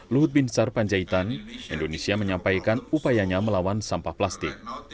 luhut bin sar panjaitan indonesia menyampaikan upayanya melawan sampah plastik